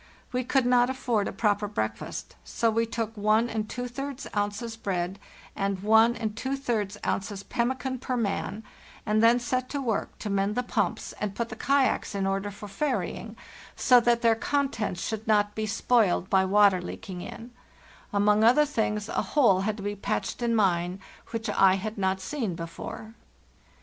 We could not afford a proper breakfast, so we took 13 ounces bread and 13 ounces pemmican per man, and then set to work to mend the pumps and put the BY SLEDGE AND KAYAK i) [o.e) io®) kayaks in order for ferrying, so that their contents should not be spoiled by water leaking in. Among other things, a hole had to be patched in mine, which I had not seen before.